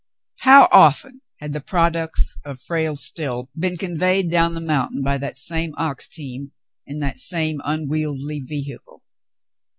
How often had the ])roducts of Frale's still been conveyed down the moun tain by that same ox team, in that same unwieldy vehicle